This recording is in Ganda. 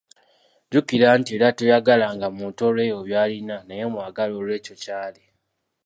Jjukira nti era toyagalanga muntu olw'ebyo byalina naye mwagale olw'ekyo kyali.